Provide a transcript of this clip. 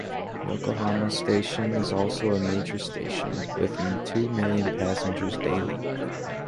Yokohama Station is also a major station, with two million passengers daily.